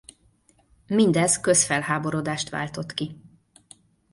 Mindez közfelháborodást váltott ki.